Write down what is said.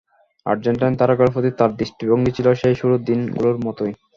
Argentine তারকার প্রতি তাঁর দৃষ্টিভঙ্গি ছিল সেই শুরুর দিন গুলোর মতোই।